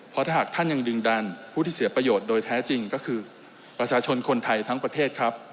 เพราะถ้าหากท่านยังดึงดันผู้ที่เสียประโยชน์โดยแท้จริงก็คือประชาชนคนไทยทั้งประเทศครับ